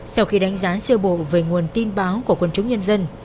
sau khi đánh giá sơ bộ về nguồn tin báo của quân chúng nhân dân